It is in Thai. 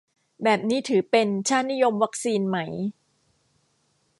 แบบนี้ถือเป็น ชาตินิยมวัคซีน ไหม